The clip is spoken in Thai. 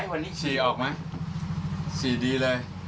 วันนี้ขี่ออกมั้ยขี่ดีเลย